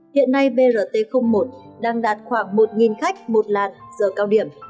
hiện nay brt một đang đạt khoảng một khách một làn giờ cao điểm